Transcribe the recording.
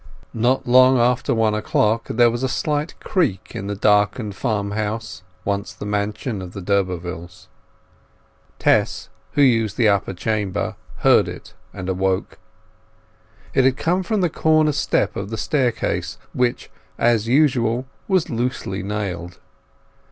Not long after one o'clock there was a slight creak in the darkened farmhouse once the mansion of the d'Urbervilles. Tess, who used the upper chamber, heard it and awoke. It had come from the corner step of the staircase, which, as usual, was loosely nailed.